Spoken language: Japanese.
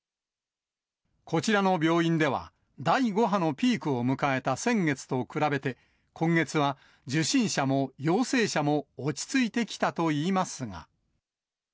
こちらの病院では、第５波のピークを迎えた先月と比べて、今月は受診者も陽性者も落ち着いてきたといいますが。